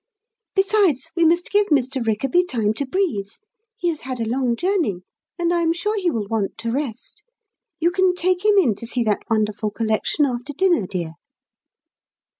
"Besides, we must give Mr. Rickaby time to breathe. He has had a long journey, and I am sure he will want to rest. You can take him in to see that wonderful collection after dinner, dear."